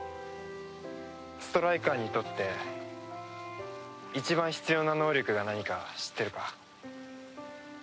ストライカーにとって一番必要な能力が何か知ってるか？